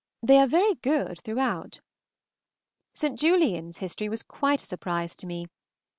They are very good throughout. St. Julian's history was quite a surprise to me.